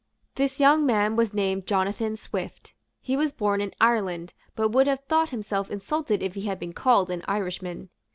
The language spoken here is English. This young man was named Jonathan Swift. He was born in Ireland, but would have thought himself insulted if he had been called an Irishman.